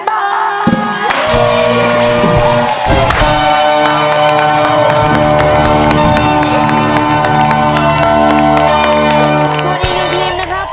ส่วนอีก๔ทีมนะครับ